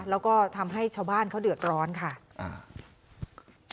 แล้วก็ทำให้ชาวบ้านเขาเดือดร้อนค่ะอ่า